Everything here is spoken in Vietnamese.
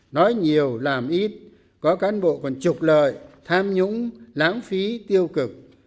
nói nhiều làm ít có cán bộ còn trục lợi tham nhũng lãng phí tiêu cực